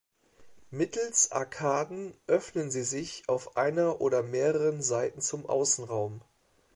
Mittels Arkaden öffnen sie sich auf einer oder mehreren Seiten zum Außenraum.